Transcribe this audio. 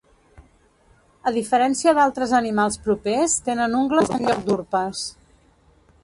A diferència d'altres animals propers, tenen ungles en lloc d'urpes.